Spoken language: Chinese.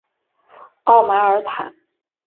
奥马尔坦。